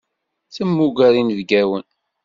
Temmuger inebgawen.